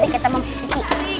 kita mau ke situ